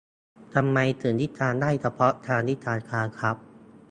ทำไมถึงวิจารณ์ได้เฉพาะทางวิชาการครับ